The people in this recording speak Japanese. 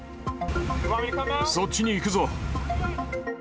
そっちに行くぞ。